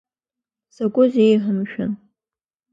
Закәызеи ииҳәо, мшәан!